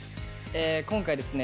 今回ですね